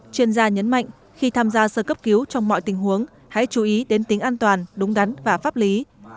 chuyên gia nhấn mạnh khi tham gia sơ cấp cứu trong mọi tình huống hãy chú ý đến tính an toàn đúng đắn và pháp lý